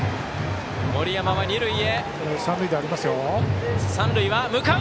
森山は二塁へ！